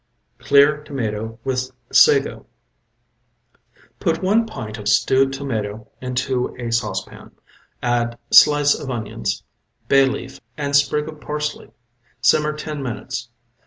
CLEAR TOMATO WITH SAGO Put one pint of stewed tomatoe into a saucepan, add slice of onions, bay leaf and sprig of parsley. Simmer ten minutes.